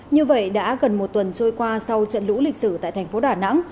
như vậy đã gần một tuần trôi qua sau trận lũ lịch sử tại thành phố đà nẵng